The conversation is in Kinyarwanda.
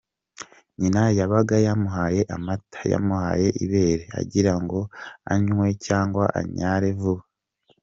Nyina yabaga yamuhaye amata, yamuhaye ibere, agira ngo annye cyangwa anyare vuba.